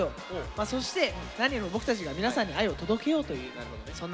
そして何よりも僕たちが皆さんに愛を届けようというそんな日でございます。